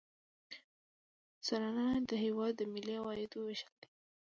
سرانه عاید د هیواد د ملي عوایدو ویشل دي.